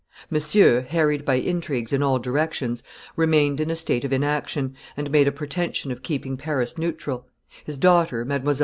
Monsieur, harried by intrigues in all directions, remained in a state of inaction, and made a pretension of keeping Paris neutral; his daughter, Mdlle.